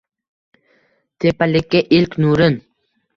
Tepalikka ilk nurin